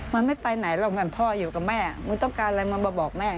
มันไม่ไปไหนเราเหมือนพ่ออยู่กับแม่